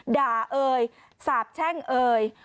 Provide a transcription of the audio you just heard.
ด่าเอ่ยสาบแช่งเอ่ย